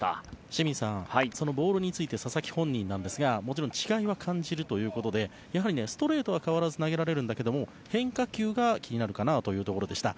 清水さん、そのボールについて佐々木本人ですがもちろん違いは感じるということでやはりストレートは変わらず投げられるんだけれども変化球が気になるかなというところでした。